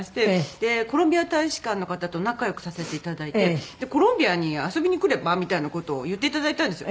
でコロンビア大使館の方と仲良くさせて頂いてコロンビアに遊びに来ればみたいな事を言って頂いたんですよ